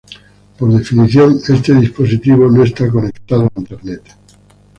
Por definición, este dispositivo no está conectado a Internet.